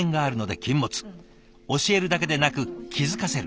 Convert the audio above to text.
教えるだけでなく気付かせる。